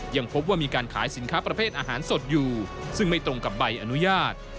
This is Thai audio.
ยังพบว่ามีการขายสินค้าประเภทอาหารสดอยู่ซึ่งไม่ตรงกับใบอนุญาต